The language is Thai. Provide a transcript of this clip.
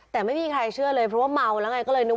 แต่ไม่มีใครเชื่อเลยเพราะว่าเมาแล้วไง